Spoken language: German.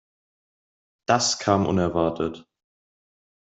Das kam unerwartet.